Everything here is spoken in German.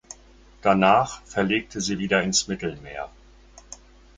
Danach verlegte sie wieder ins Mittelmeer.